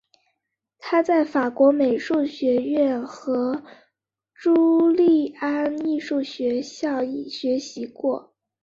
他在法国美术学校和朱利安艺术学校学习过。